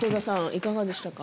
いかがでしたか？